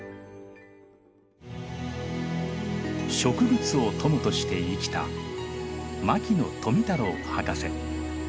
植物を友として生きた牧野富太郎博士。